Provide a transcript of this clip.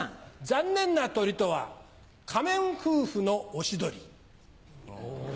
残念な鳥とは仮面夫婦のオシドリ。